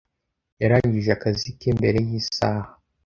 Yarangije akazi ke mbere yisaha.